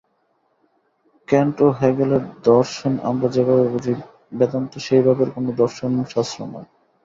Kant ও হেগেলের দর্শন আমরা যেভাবে বুঝি, বেদান্ত সেই ভাবের কোন দর্শনশাস্ত্র নয়।